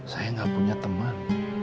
saya gak punya teman